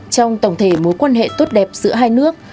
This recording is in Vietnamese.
trong tổng thể mối quan hệ tốt đẹp giữa hai nước